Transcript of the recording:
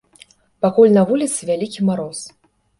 Пакуль на вуліцы вялікі мароз.